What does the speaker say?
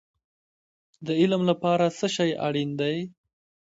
د علم لپاره څه شی اړین دی؟